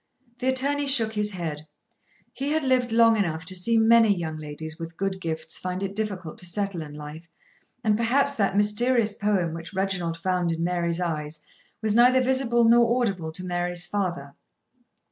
The attorney shook his head. He had lived long enough to see many young ladies with good gifts find it difficult to settle in life; and perhaps that mysterious poem which Reginald found in Mary's eyes was neither visible nor audible to Mary's father.